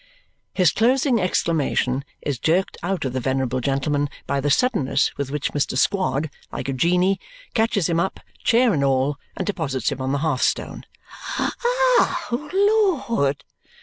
His closing exclamation is jerked out of the venerable gentleman by the suddenness with which Mr. Squod, like a genie, catches him up, chair and all, and deposits him on the hearth stone. "O Lord!"